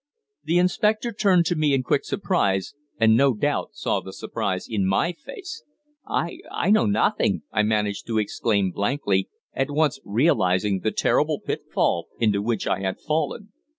The inspector turned to me in quick surprise, and no doubt saw the surprise in my face. "I I know nothing," I managed to exclaim blankly, at once realizing the terrible pitfall into which I had fallen.